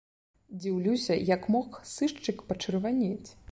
Дзіўлюся, як мог сышчык пачырванець?